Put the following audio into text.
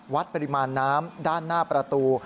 วัดปริมาณน้ำด้านหน้าประตู